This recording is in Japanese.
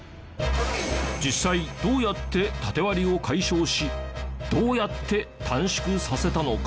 実際どうやってタテ割りを解消しどうやって短縮させたのか？